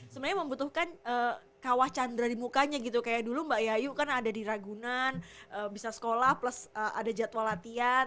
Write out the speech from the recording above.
sebenarnya membutuhkan kawah chandra di mukanya gitu kayak dulu mbak yayu kan ada di ragunan bisa sekolah plus ada jadwal latihan